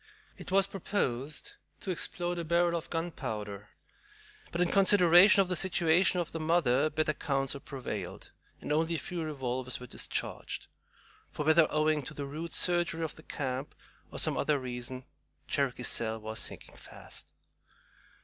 It was proposed to explode a barrel of gunpowder; but in consideration of the situation of the mother, better counsels prevailed, and only a few revolvers were discharged; for whether owing to the rude surgery of the camp, or some other reason, Cherokee Sal was sinking fast.